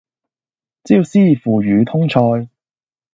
椒絲腐乳通菜